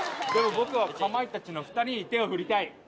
僕はかまいたちの２人に手を振りたい。